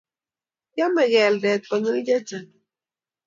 Kiame keldet konyil chechang